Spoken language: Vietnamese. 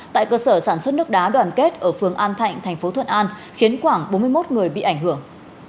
tại cơ sở sản xuất nước đá đoàn kết ở phường an thạnh thành phố thuận an khiến khoảng bốn mươi một người bị ảnh hưởng